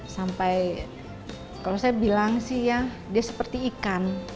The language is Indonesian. sampai kalau saya bilang sih ya dia seperti ikan